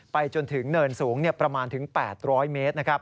ไปจนถึงเนินสูงประมาณถึง๘๐๐เมตรนะครับ